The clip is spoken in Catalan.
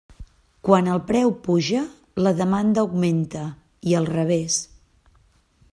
Quan el preu puja, la demanda augmenta, i al revés.